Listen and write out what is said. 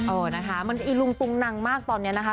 เออนะคะมันอีลุงตุงนังมากตอนนี้นะคะ